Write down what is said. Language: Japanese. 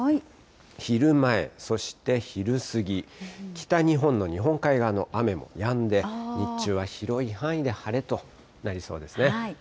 昼前、そして昼過ぎ、北日本の日本海側の雨もやんで、日中は広い範囲で晴れとなりそうですね。